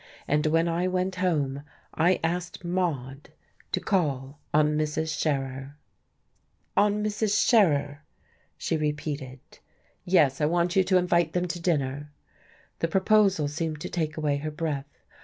And when I went home I asked Maude to call on Mrs. Scherer. "On Mrs. Scherer!" she repeated. "Yes, I want you to invite them to dinner." The proposal seemed to take away her breath.